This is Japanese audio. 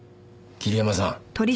桐山さん